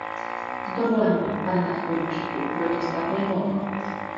S dovolením, pane nadporučíku, byl to statný hoch.